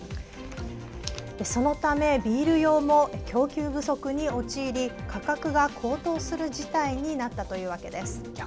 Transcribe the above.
そのためビール用も供給不足に陥り価格が高騰する事態になったというわけです。